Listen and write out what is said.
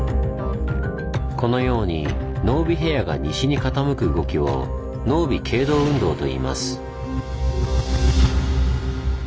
このように濃尾平野が西に傾く動きを「濃尾傾動運動」といいます。